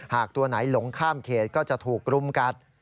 ตัวไหนหลงข้ามเขตก็จะถูกรุมกัด